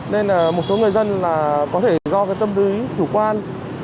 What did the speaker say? nên một số người dân có thể do tâm lý chủ quan